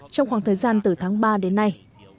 trong khoảng thời gian từ tháng ba đến nay